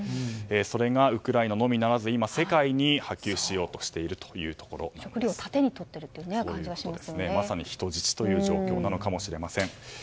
それがウクライナのみならず今、世界に波及しようとしている食糧を盾に取っているまさに人質という状況なのかもしれません。